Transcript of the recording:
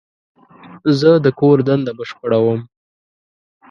زه د کور دنده بشپړوم.